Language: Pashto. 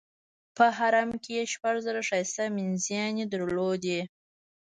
په حرم کې یې شپږ زره ښایسته مینځیاني درلودې.